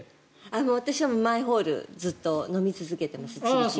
私は毎ホールずっと飲み続けてます。